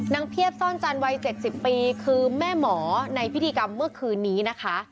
เพียบซ่อนจันทร์วัย๗๐ปีคือแม่หมอในพิธีกรรมเมื่อคืนนี้นะคะ